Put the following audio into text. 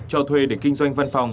cho thuê để kinh doanh văn phòng